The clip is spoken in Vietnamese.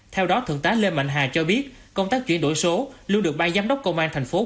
theo đó thượng tá lê mạnh hà cho biết công tác chuyển đổi số luôn được ban giám đốc công an thành phố